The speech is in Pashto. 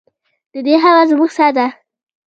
د دې هوا زموږ ساه ده؟